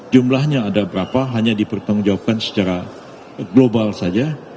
jumlahnya ada berapa hanya dipertanggungjawabkan secara global saja